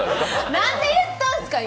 何で言ったんすか、今！